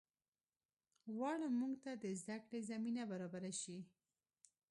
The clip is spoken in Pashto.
غواړم مونږ ته د زده کړې زمینه برابره شي